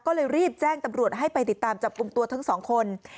ก็เลยรีบแจ้งตำรวจให้ไปติดตามจับกลุ่มตัวทั้งสองคน